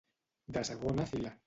De segona fila.